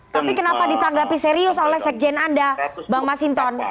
tapi kenapa ditanggapi serius oleh sekjen anda bang masinton